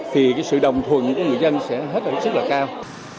thì cái sự đồng thuận của người dân sẽ hết sức là kỹ lưỡng